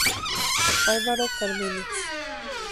Álvaro Cármenes.